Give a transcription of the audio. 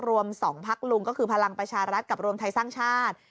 รวม๒พักลุงก็คือพลังประชารัฐกับรวมไทยสร้างชาติ